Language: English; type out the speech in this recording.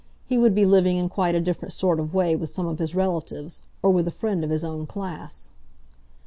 He would be living in quite a different sort of way with some of his relatives, or with a friend of his own class.